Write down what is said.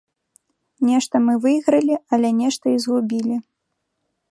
Нешта мы выйгралі, але нешта і згубілі.